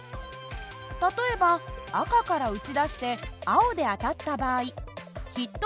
例えば赤から撃ち出して青で当たった場合ヒット